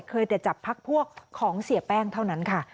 เคยแต่จับพักพวกของเสียแป้งเท่านั้นค่ะ